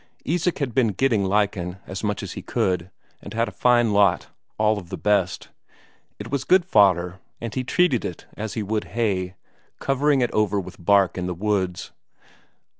Isak had been getting lichen, as much as he could, and had a fine lot, all of the best. It was good fodder, and he treated it as he would hay, covering it over with bark in the woods.